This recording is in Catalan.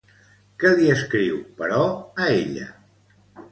Què li escriu, però, a ella?